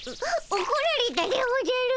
おこられたでおじゃる。